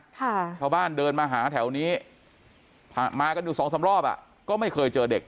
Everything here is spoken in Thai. ชาวบ้านเดินมาหาแถวนี้มากันอยู่สองสามรอบอ่ะก็ไม่เคยเจอเด็ก